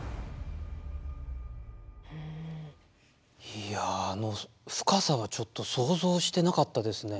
いやあの深さはちょっと想像してなかったですね。